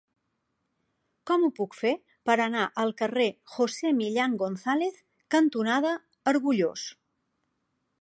Com ho puc fer per anar al carrer José Millán González cantonada Argullós?